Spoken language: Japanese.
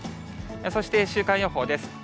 そして週間予報です。